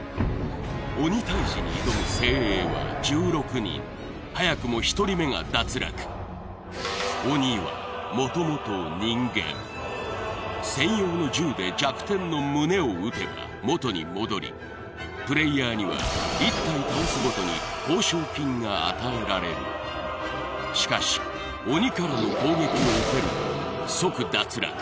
鬼タイジに挑む精鋭は１６人早くも１人目が脱落鬼は元々人間専用の銃で弱点の胸を撃てば元に戻りプレイヤーには１体倒すごとに報奨金が与えられるしかし鬼からの攻撃を受けると即脱落